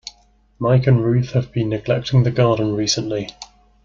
Mike and Ruth have been neglecting the garden recently.